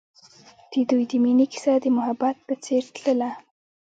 د دوی د مینې کیسه د محبت په څېر تلله.